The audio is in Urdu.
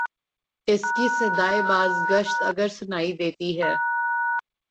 اس کی صدائے بازگشت اگر سنائی دیتی ہے۔